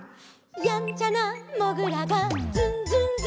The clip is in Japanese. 「やんちゃなもぐらがズンズンズン」